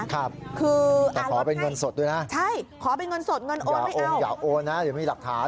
ครับแต่ขอเป็นเงินสดด้วยนะอย่าโอนนะเดี๋ยวมีหลักฐาน